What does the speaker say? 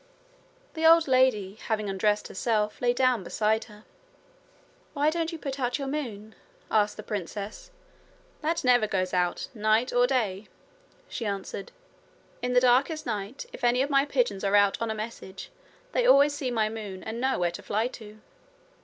The old lady having undressed herself lay down beside her. 'Why don't you put out your moon?' asked the princess. 'That never goes out, night or day,' she answered. 'In the darkest night, if any of my pigeons are out on a message, they always see my moon and know where to fly to.'